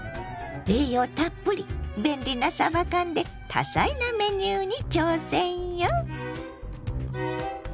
栄養たっぷり便利なさば缶で多彩なメニューに挑戦よ！